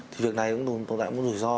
thì việc này cũng tồn tại một rủi ro